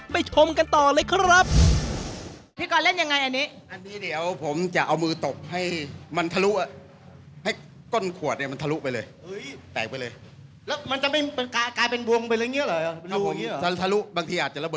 ชมกันต่อเลยครับ